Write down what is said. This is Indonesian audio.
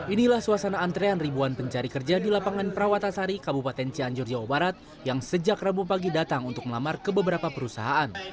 inilah suasana antrean ribuan pencari kerja di lapangan perawatasari kabupaten cianjur jawa barat yang sejak rabu pagi datang untuk melamar ke beberapa perusahaan